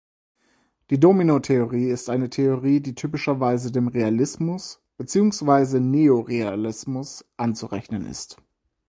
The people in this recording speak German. Die Domino-Theorie ist eine Theorie, die typischerweise dem Realismus beziehungsweise Neorealismus anzurechnen ist.